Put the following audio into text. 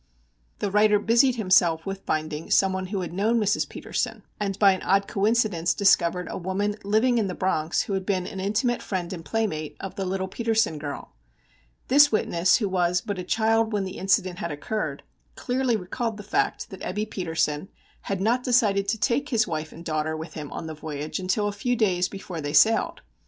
The writer busied himself with finding some one who had known Mrs. Petersen, and by an odd coincidence discovered a woman living in the Bronx who had been an intimate friend and playmate of the little Petersen girl. This witness, who was but a child when the incident had occurred, clearly recalled the fact that Ebbe Petersen had not decided to take his wife and daughter with him on the voyage until a few days before they sailed.